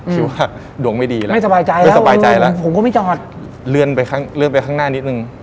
คิดว่าดวงไม่ดีแล้วไม่สบายใจแล้วผมก็ไม่จอดเลื่อนไปข้างหน้านิดหนึ่ง